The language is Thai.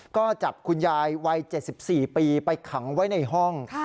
ก็จับคุณยายวัย๗๔ปีไปขังไว้ในห้อง